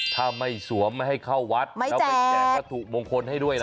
ถ้าไม่สวมไม่ให้เข้าวัดแล้วไปแจกวัตถุมงคลให้ด้วยล่ะ